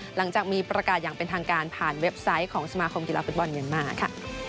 หลังจากมีประกาศอย่างเป็นทางการผ่านเว็บไซต์ของสมาคมกีฬาฟุตบอลเมียนมาค่ะ